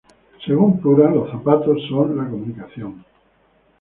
Según Pura "Los zapatos son la comunicación".